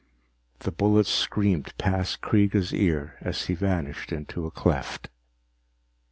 The bullet screamed past Kreega's ear as he vanished into a cleft.